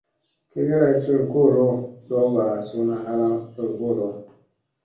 Gi ge lay col koolo, ɗowba suuna halaŋ col koolo.